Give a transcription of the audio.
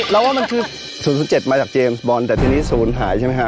ว่ามันคือ๐๗มาจากเจมส์บอลแต่ทีนี้ศูนย์หายใช่ไหมฮะ